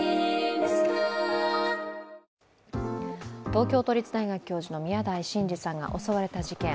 東京都立大学教授の宮台真治さんが襲われた事件。